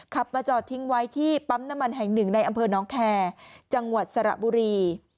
ขับมาจอดทิ้งไว้ที่ปั๊มน้ำมันแห่งหนึ่งในอำเภอน้องแคร์จังหวัดสระบุรี